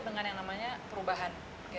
dengan yang namanya perubahan